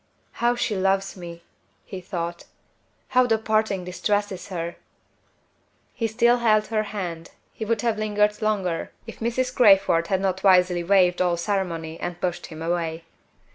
"How she loves me!" he thought. "How the parting distresses her!" He still held her hand; he would have lingered longer, if Mrs. Crayford had not wisely waived all ceremony and pushed him away.